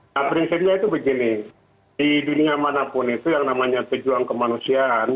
nah prinsipnya itu begini di dunia manapun itu yang namanya pejuang kemanusiaan